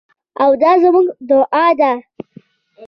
او دا زموږ دعا ده.